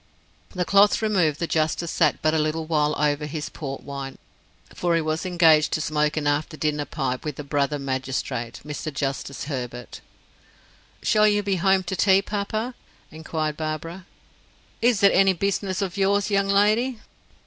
The cloth removed, the justice sat but a little while over his port wine, for he was engaged to smoke an after dinner pipe with a brother magistrate, Mr. Justice Herbert. "Shall you be home to tea, papa?" inquired Barbara. "Is it any business of yours, young lady?"